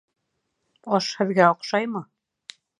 Аш һеҙгә оҡшаймы?